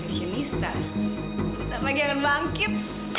dan fashionista sebentar lagi akan bangkit